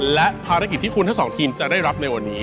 และภารกิจที่คุณทั้งสองทีมจะได้รับในวันนี้